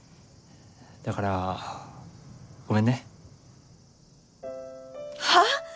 だからごめんね。はあ！？